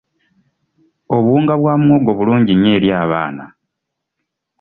Obuwunga bwa muwogo bulungi nnyo eri abaana.